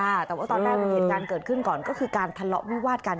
แต่ว่าตอนแรกมีเหตุการณ์เกิดขึ้นก่อนก็คือการทะเลาะวิวาดกัน